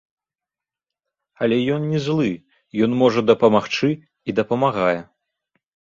Але ён не злы, ён можа дапамагчы і дапамагае.